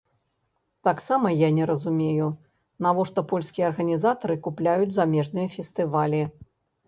Таксама я не разумею, навошта польскія арганізатары купляюць замежныя фестывалі.